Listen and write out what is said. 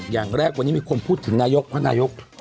อย่างแรกวันนี้มีคนพูดถึงนายกเพราะนายก